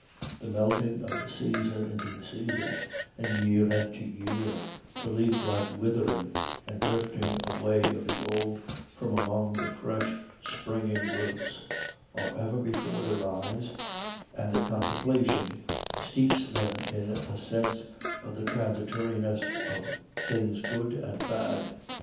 The melting of season into season, and year into year, the leaf like withering and drifting away of the old from among the fresh springing growths, are ever before their eyes, and the contemplation steeps them in a sense of the transitoriness of things good and bad.